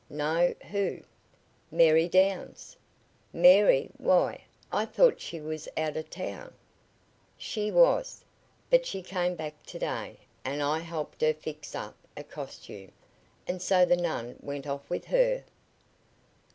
"No. Who?" "Mary Downs." "Mary why, I thought she was out of town." "She was, but she came back to day, and I helped her fix up a costume. And so the nun went off with her?"